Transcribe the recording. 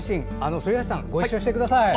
反橋さん、ご一緒してください。